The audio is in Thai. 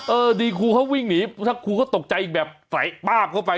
เออดีครูเขาวิ่งหนีถ้าเขาก็ตกใจแบบไฟปาปเข้าไป